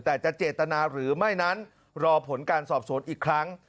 แต่จะเจตนาหรือไม่นั้นรอผลการสอบสวนอีกครั้ง